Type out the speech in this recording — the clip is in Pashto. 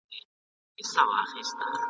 غواړم له شونډو دي پلمې په شپه کي وتښتوم ..